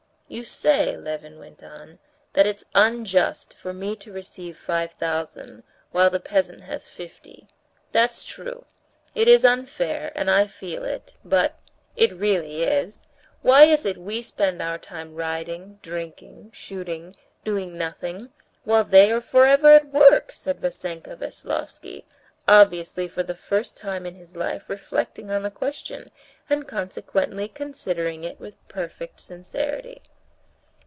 "You say," Levin went on, "that it's unjust for me to receive five thousand, while the peasant has fifty; that's true. It is unfair, and I feel it, but...." "It really is. Why is it we spend our time riding, drinking, shooting, doing nothing, while they are forever at work?" said Vassenka Veslovsky, obviously for the first time in his life reflecting on the question, and consequently considering it with perfect sincerity.